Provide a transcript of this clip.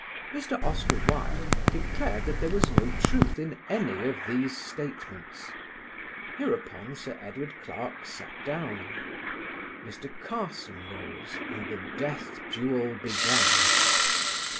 Mr. Oscar Wilde declared that there was no truth in any of these statements. Hereupon Sir Edward Clarke sat down. Mr. Carson rose and the death duel began.